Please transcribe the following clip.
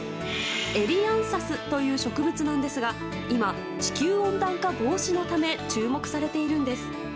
エリアンサスという植物なんですが今、地球温暖化防止のため注目されているんです。